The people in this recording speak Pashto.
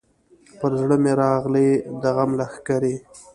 پر زړه مي راغلې د غم لښکري